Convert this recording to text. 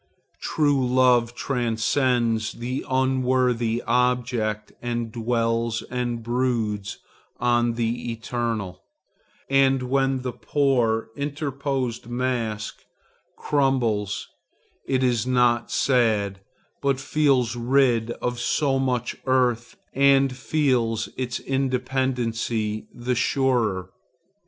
True love transcends the unworthy object and dwells and broods on the eternal, and when the poor interposed mask crumbles, it is not sad, but feels rid of so much earth and feels its independency the surer.